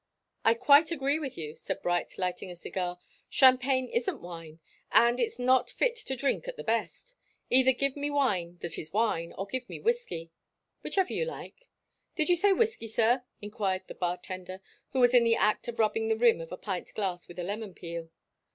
"I quite agree with you," said Bright, lighting a cigar. "Champagne isn't wine, and it's not fit to drink at the best. Either give me wine that is wine, or give me whiskey." "Whichever you like." "Did you say whiskey, sir?" enquired the bar tender, who was in the act of rubbing the rim of a pint glass with a lemon peel.